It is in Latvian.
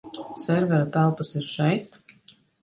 Servera telpas ir šeit?